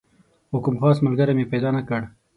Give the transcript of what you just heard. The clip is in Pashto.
خو کوم خاص ملګری مې پیدا نه کړ.